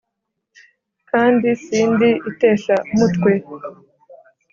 Kandi sindi itesha mutwe